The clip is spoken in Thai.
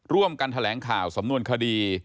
ร่วมกันแถลงข่าวสำนวนคดี